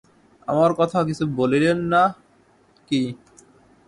আমার কথা কিছু বলিলেন না কি।